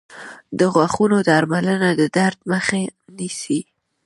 • د غاښونو درملنه د درد مخه نیسي.